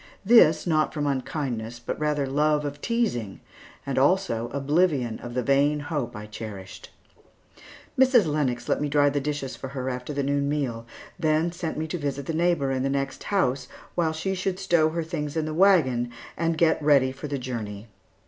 This, not from unkindness, but rather love of teasing, and also oblivion of the vain hope I cherished. Mrs. Lennox let me dry the dishes for her after the noon meal, then sent me to visit the neighbor in the next house, while she should stow her things in the wagon and get ready for the journey.